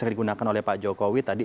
yang digunakan oleh pak jokowi tadi